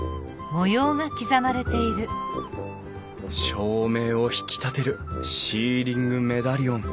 照明を引き立てるシーリングメダリオン。